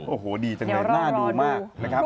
โอ้โหดีจังเลยหน้าดูมากนะครับเดี๋ยวรอดู